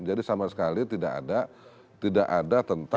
jadi sama sekali tidak ada tidak ada tentang